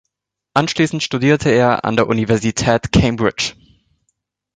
Anschließend studierte er an der Universität Cambridge.